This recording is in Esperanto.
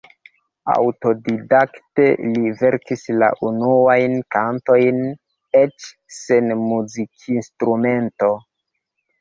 Aŭtodidakte li verkis la unuajn kantojn, eĉ sen muzikinstrumento.